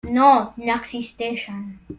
No n'existeixen.